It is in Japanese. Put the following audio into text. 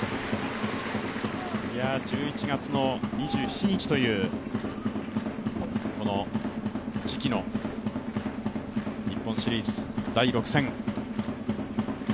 １１月２７日という時期の日本シリーズ第６戦。